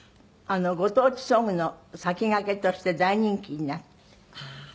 ご当地ソングの先駆けとして大人気になって。